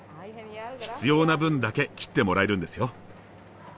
必要な分だけ切ってもらえるんですよ。